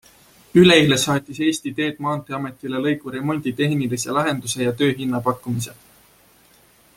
Üleeile saatis Eesti Teed maanteeametile lõigu remondi tehnilise lahenduse ja töö hinnapakkumise.